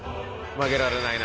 負けられないな。